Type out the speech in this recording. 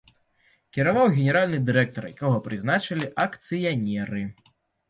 Кіраваў генеральны дырэктар, якога прызначалі акцыянеры.